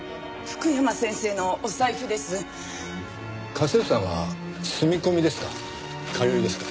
家政婦さんは住み込みですか？